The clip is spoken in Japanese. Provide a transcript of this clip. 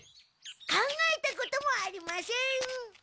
考えたこともありません。